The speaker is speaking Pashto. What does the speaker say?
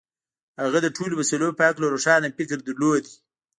هغه د ټولو مسألو په هکله روښانه فکر درلود.